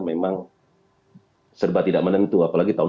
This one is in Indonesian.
memang serba tidak menentu apalagi tahun